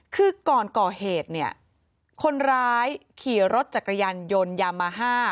คือก่อนก่อเหตุเนี่ยคนร้ายขี่รถจักรยานยนต์ยามาฮ่า